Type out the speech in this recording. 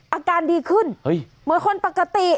อาการดีขึ้นเหมือนคนปกติ